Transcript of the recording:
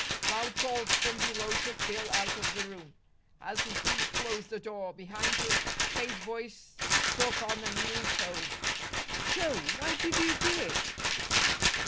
Loud calls from below took Bill out of the room. As he closed the door behind him, K.'s voice took on a new tone: "Joe, why did you do it?"